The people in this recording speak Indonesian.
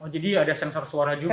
jadi ada sensor suara juga ya